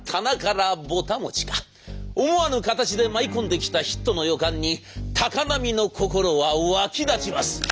思わぬ形で舞い込んできたヒットの予感に高波の心は沸き立ちます。